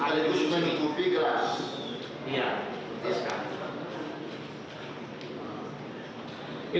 ada di sini